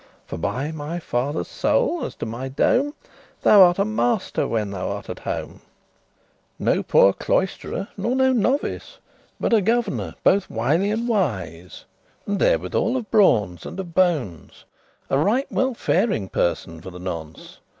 For by my father's soul, *as to my dome,* *in my judgement* Thou art a master when thou art at home; No poore cloisterer, nor no novice, But a governor, both wily and wise, And therewithal, of brawnes* and of bones, *sinews A right well faring person for the nonce.